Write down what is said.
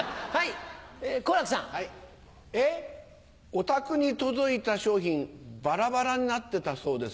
お宅に届いた商品バラバラになってたそうですね。